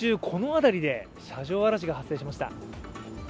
この辺りで、車上荒らしが発生しました。